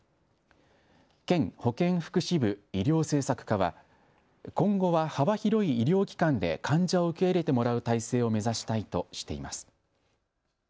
県保健福祉部医療政策課は今後は幅広い医療機関で患者を受け入れてもらう体制を目指したいとしています。